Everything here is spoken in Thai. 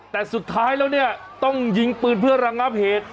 แต่สุดท้ายแล้วเนี่ยต้องยิงปืนเพื่อระงับเหตุ